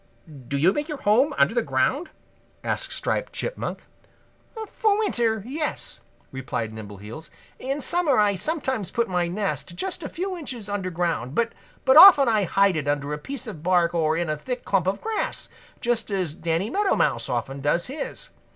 "Do you make your home under the ground?" asked Striped Chipmunk. "For winter, yes," replied Nimbleheels. "In summer I sometimes put my nest just a few inches under ground, but often I hide it under a piece of bark or in a thick clump of grass, just as Danny Meadow Mouse often does his.